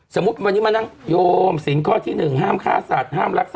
สมมุติวันนี้มานัดโยมศิลป์ข้อที่๑ห้ามฆ่าสัตว์ห้ามรักษัตริย์